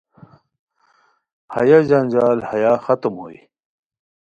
ہیہ جنجال ہیا ختم بوئے